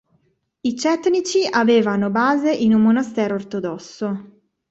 I cetnici avevano base in un monastero ortodosso.